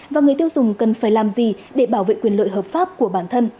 và người tiêu dùng cần phải làm gì để bảo vệ quyền lợi hợp pháp của bản thân